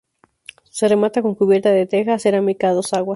Se remata con cubierta de teja cerámica a dos aguas.